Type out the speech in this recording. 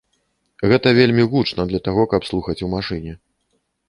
Гэта вельмі гучна для таго, каб слухаць у машыне.